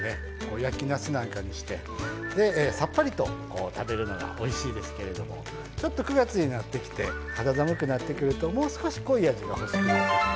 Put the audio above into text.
焼きなすなんかにしてでさっぱりとこう食べるのがおいしいですけれどもちょっと９月になってきて肌寒くなってくるともう少し濃い味が欲しくなって。